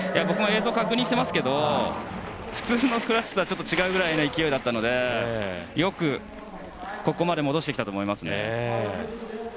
僕も映像を確認していますけど普通のクラッシュとは違うぐらいの勢いだったのでよくここまで戻してきたと思いますね。